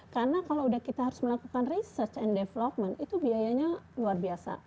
karena kalau sudah kita harus melakukan research and development itu biayanya luar biasa